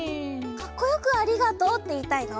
かっこよく「ありがとう」っていいたいの？